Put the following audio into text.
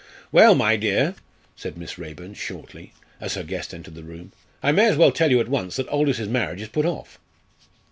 "Well, my dear," said Miss Raeburn, shortly, as her guest entered the room, "I may as well tell you at once that Aldous's marriage is put off."